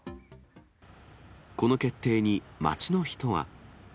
この決定に、街の人は。